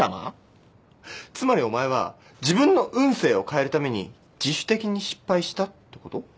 つまりお前は自分の運勢を変えるために自主的に失敗したってこと？